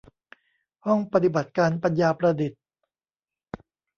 ห้องปฏิบัติการปัญญาประดิษฐ์